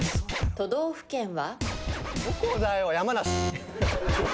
都道府県は？